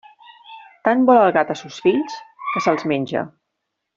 Tant vol el gat a sos fills, que se'ls menja.